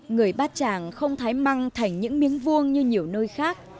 người bát tràng không thái măng thành những miếng vuông như nhiều nơi khác